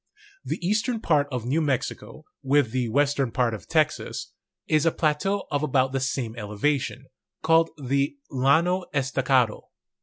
The eastern part of New Mexico, with the western part of Texas, is a plateau of about the same elevation, called the Llano Estacado.